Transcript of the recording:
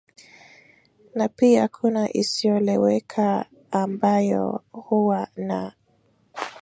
na pia kuna isiyoeleweka ambayo huwa na